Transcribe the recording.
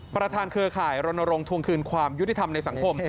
เครือข่ายรณรงค์ทวงคืนความยุติธรรมในสังคม